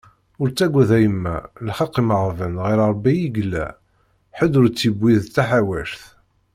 Ur ttagad a yemma, lḥeq imeɣban ɣer Rebbi i yella, ḥedd ur t-yewwi d taḥawact.